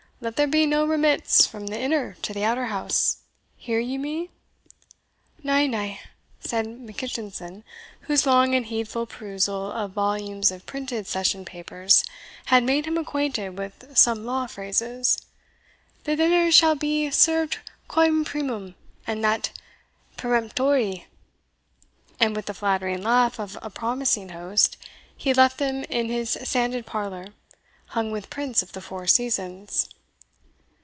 Let there be no remits from the inner to the outer house, hear ye me?" "Na, na," said Mackitchinson, whose long and heedful perusal of volumes of printed session papers had made him acquainted with some law phrases "the denner shall be served quam primum and that peremptorie." And with the flattering laugh of a promising host, he left them in his sanded parlour, hung with prints of the Four Seasons.